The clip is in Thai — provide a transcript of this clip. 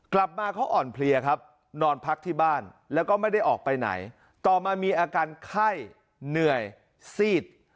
กลับมาเขาอ่อนเพลียครับนอนพักที่บ้านแล้วก็ไม่ได้ออกไปไหนต่อมามีอาการไข้เหนื่อยซีด